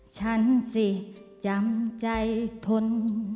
ฉันสิจำใจทน